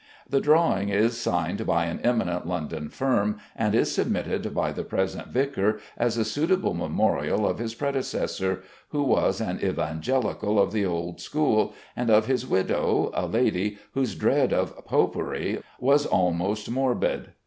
The drawing is signed by an eminent London firm, and is submitted by the present vicar as a suitable memorial of his predecessor, who was an Evangelical of the old school, and of his widow, a lady whose dread of 'Popery' was almost morbid."